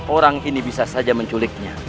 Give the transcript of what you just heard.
orang ini bisa saja menculiknya